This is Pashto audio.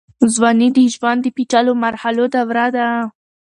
ځوانۍ د ژوند د پېچلو مرحلو دوره ده.